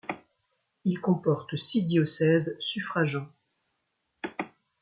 Il comporte six diocèses suffragants.